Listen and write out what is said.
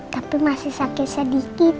tapi masih sakit sedikit